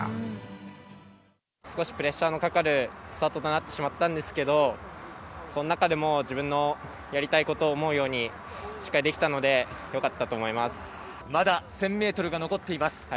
少しプレッシャーのかかるスタートとなってしまったんですけど、その中でも自分のやりたいことを思うようにしっかりできたので、まだ１０００メートルが残っています。